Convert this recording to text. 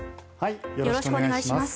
よろしくお願いします。